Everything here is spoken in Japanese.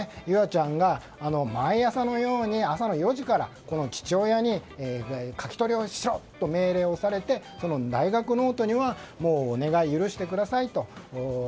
結愛ちゃんが毎朝のように朝の４時からこの父親に書き取りをしろと命令をされて大学ノートには「もうおねがいゆるしてください」と。